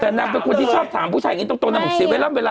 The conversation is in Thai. แต่นางเป็นคนที่ชอบถามผู้ชายใกล้ตรงนะแบบเวลาเนอะ